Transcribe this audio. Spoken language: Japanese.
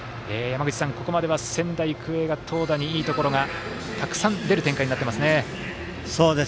ここまでは仙台育英が投打にいいところがたくさん出る展開になってますね。